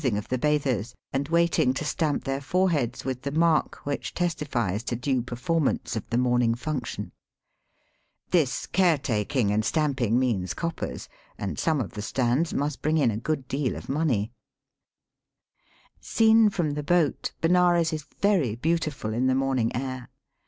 n. 34 Digitized by VjOOQIC 226 EAST BY WEST, of the bathers, and waiting to stamp their foreheads with the mark which testifies to due performance of the morning function. This care taking and stamping means coppers, and some of the stands must bring in a good deal of money. Seen from the boat Benares is very beautiful in the morning air.